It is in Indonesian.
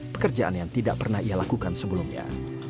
pekerjaan yang tidak pernah ia lakukan sebelumnya